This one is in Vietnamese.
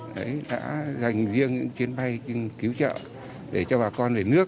đã dành riêng chuyến bay cứu trợ để cho bà con về nước